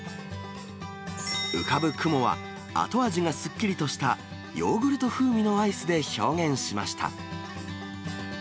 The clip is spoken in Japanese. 浮かぶ雲は、後味がすっきりとしたヨーグルト風味のアイスで表現しました。